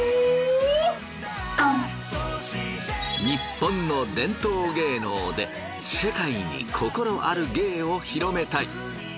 ニッポンの伝統芸能で世界に心ある芸を広めたい。